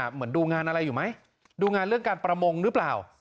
เหมือนดูงานอะไรอยู่ไหมดูงานเรื่องการประมงหรือเปล่า